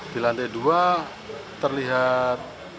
di lantai dua terlihat